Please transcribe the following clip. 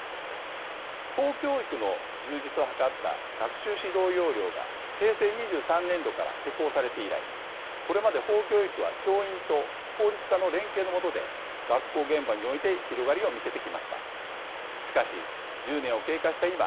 法教育の充実を図った学習指導要領が平成２３年度から施行されて以来これまで法教育は教員と法律家の連携の下で学校現場において広がりを見せてきました。